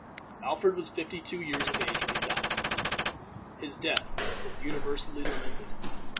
Alfred was fifty two years of age when he died. His death was universally lamented.